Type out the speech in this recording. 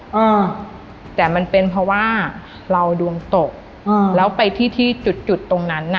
อ่าแต่มันเป็นเพราะว่าเราดวงตกอ่าแล้วไปที่ที่จุดจุดตรงนั้นน่ะ